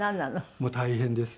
もう大変です。